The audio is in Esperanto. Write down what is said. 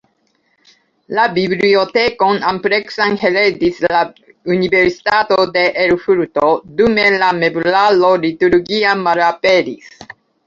La bibliotekon ampleksan heredis la Universitato de Erfurto, dume la meblaro liturgia malaperis.